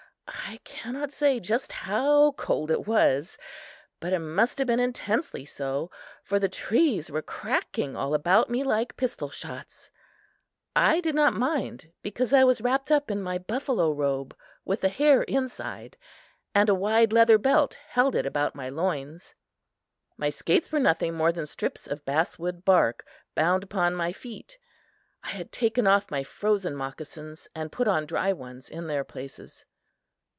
I cannot say just how cold it was, but it must have been intensely so, for the trees were cracking all about me like pistol shots. I did not mind, because I was wrapped up in my buffalo robe with the hair inside, and a wide leather belt held it about my loins. My skates were nothing more than strips of basswood bark bound upon my feet. I had taken off my frozen moccasins and put on dry ones in their places.